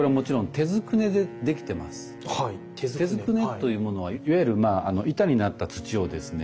手捏ねというものはいわゆる板になった土をですね